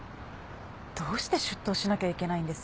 どうして出頭しなきゃいけないんです？